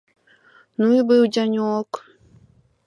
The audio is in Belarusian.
Ну і быў дзянёк!